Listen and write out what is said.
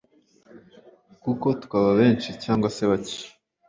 kuko twaba benshi cyangwa se bake